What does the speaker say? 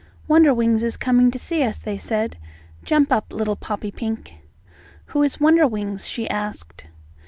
"Wonderwings is coming to see us," they said. "Jump up, little Poppypink." "Who is Wonderwings?" she asked.